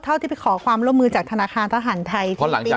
เท่าที่ไปขอความร่วมมือจากธนาคารทหารไทย